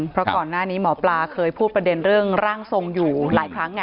เพราะก่อนหน้านี้หมอปลาเคยพูดประเด็นเรื่องร่างทรงอยู่หลายครั้ง